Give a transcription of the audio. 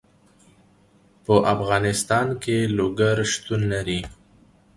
په افغانستان کې لوگر شتون لري.